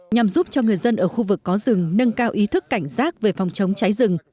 nhằm giúp cho người dân ở khu vực có rừng nâng cao ý thức cảnh giác về phòng chống cháy rừng